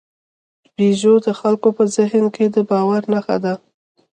پيژو د خلکو په ذهن کې د باور نښه ده.